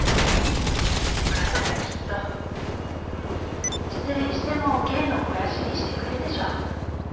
でも彼ならきっと失恋しても芸の肥やしにしてくれるでしょう。